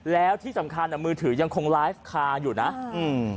แล้วที่สำคัญอ่ะมือถือยังคงไลฟ์คาอยู่นะอืม